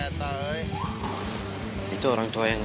wah faed dengan hal ini